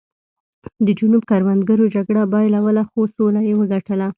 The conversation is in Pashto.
د جنوب کروندګرو جګړه بایلوله خو سوله یې وګټله.